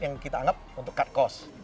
yang kita anggap untuk cut cost